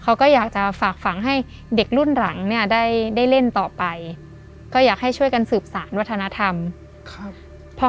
เขาก็อยากจะฝากฝังให้เด็กรุ่นหลังเนี่ยได้เล่นต่อไปก็อยากให้ช่วยกันสืบสารวัฒนธรรม